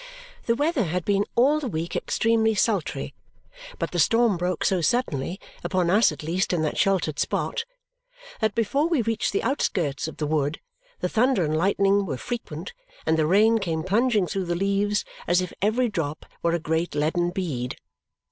The weather had been all the week extremely sultry, but the storm broke so suddenly upon us, at least, in that sheltered spot that before we reached the outskirts of the wood the thunder and lightning were frequent and the rain came plunging through the leaves as if every drop were a great leaden bead.